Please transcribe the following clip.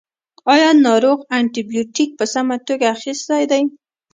ایا ناروغ انټي بیوټیک په سمه توګه اخیستی دی.